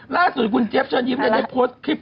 ล่าสุดคุณเจี๊ยบเชิญยิ้มได้โพสต์คลิป